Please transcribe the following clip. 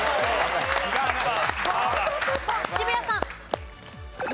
渋谷さん。